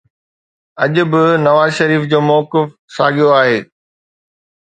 اڄ به نواز شريف جو موقف ساڳيو آهي